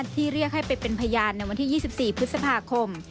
ที่เรียกให้ไปเป็นพยานในวันที่๒๔พฤษภาคม